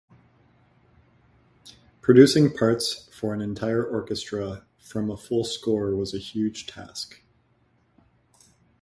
Producing parts for an entire orchestra from a full score was a huge task.